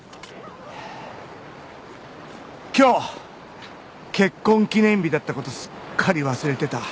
今日結婚記念日だった事すっかり忘れてた。